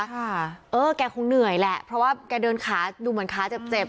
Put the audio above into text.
ค่ะเออแกคงเหนื่อยแหละเพราะว่าแกเดินขาดูเหมือนขาเจ็บเจ็บ